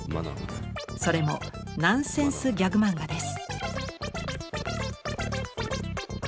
それもナンセンスギャグマンガです。